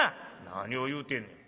「何を言うてんねん。